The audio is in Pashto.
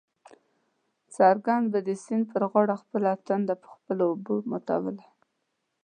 څرنګه به د سیند پر غاړه خپله تنده په خپلو اوبو ماتوو.